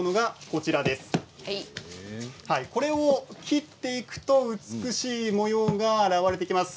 こちらを切っていくと美しい模様が現れてきます。